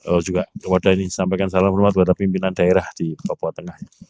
oh juga kepada ini disampaikan salam hormat kepada pimpinan daerah di papua tengah